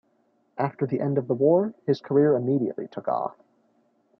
After the end of the war his career immediately took off.